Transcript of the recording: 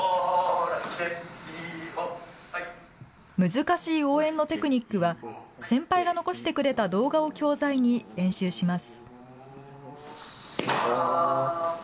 難しい応援のテクニックは、先輩が残してくれた動画を教材に練習します。